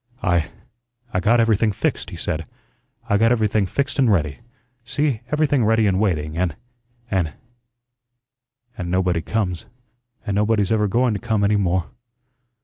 "I I got everything fixed," he said. "I got everything fixed an' ready. See, everything ready an' waiting, an' an' an' nobody comes, an' nobody's ever going to come any more.